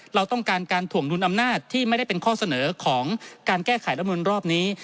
เราต้องการการถ่วงดุลอำนาจที่ไม่ได้เป็นข้อเสนอของการแก้ไขรัฐมนุนรอบนี้